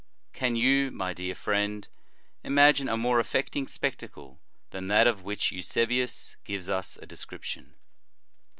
Can you, my dear friend, imagine a more affecting spectacle than that of which Eusebius gives us a description